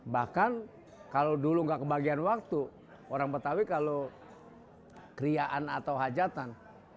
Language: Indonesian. bahkan kalau dulu nggak kebagian waktu orang betawi kalau kriaan atau hajatan